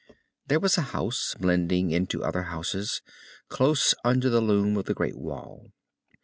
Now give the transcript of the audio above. There was a house, blending into other houses, close under the loom of the great Wall.